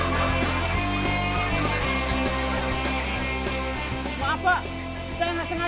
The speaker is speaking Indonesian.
maaf pak saya gak sengaja